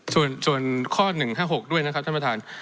ส่วนส่วนข้อหนึ่งห้าหกด้วยนะครับท่านประธาน